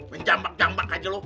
menjambak jambak aja lo